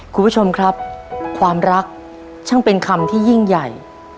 คุณผู้ชมครับความรักช่างเป็นคำที่ยิ่งใหญ่